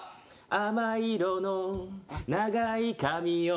「亜麻色の長い髪を」